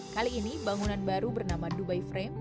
kali ini bangunan baru bernama dubai frame